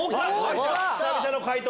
久々の解答。